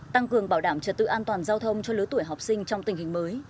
tăng cường bảo đảm trật tự an toàn giao thông cho lứa tuổi học sinh trong tình hình mới